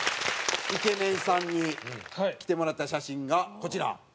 イケメンさんに着てもらった写真がこちら。